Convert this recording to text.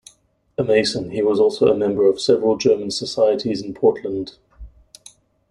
A Mason, he was also a member of several German societies in Portland.